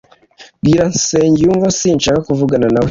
Bwira Sengiyumva sinshaka kuvugana nawe